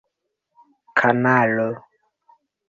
kanalo